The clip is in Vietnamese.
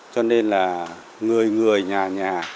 cho nên là người người nhà nhà